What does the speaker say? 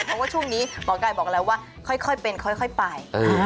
เพราะว่าช่วงนี้หมอไก่บอกแล้วว่าค่อยเป็นค่อยไป